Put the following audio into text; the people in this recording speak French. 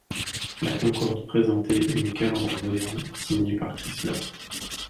La Concorde présentait une calandre moderne signée par Chrysler.